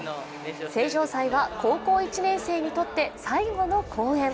成城祭は高校１年生にとって最後の公演。